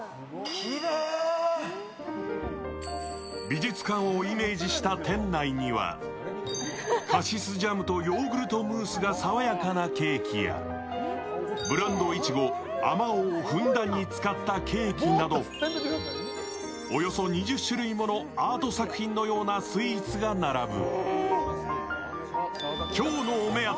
美術館をイメージした店内にはカシスジャムとヨーグルトムースが爽やかなケーキやブランドいちご・あまおうをふんだんに使ったケーキなど、およそ２０種類ものアート作品のようなスイーツが並ぶ。